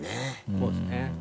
そうですね。